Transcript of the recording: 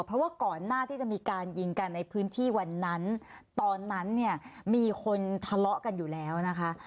เพราะว่าก่อนหน้าที่จะมีการยิงกันในพื้นที่วันนั้นตอนนั้นเนี่ยมีคนทะเลาะกันอยู่แล้วนะคะ